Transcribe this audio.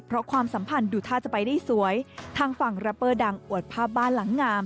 เพราะความสัมพันธ์ดูท่าจะไปได้สวยทางฝั่งรัปเปอร์ดังอวดภาพบ้านหลังงาม